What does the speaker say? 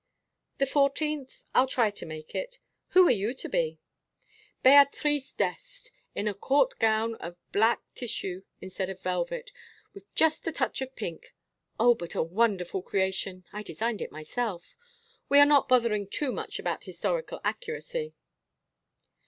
"The fourteenth? I'll try to make it. Who are you to be?" "Beatrice d'Este in a court gown of black tissue instead of velvet, with just a touch of pink oh, but a wonderful creation! I designed it myself. We are not bothering too much about historical accuracy."